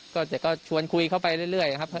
ก็จะชวนคุยเขาไปเรื่อย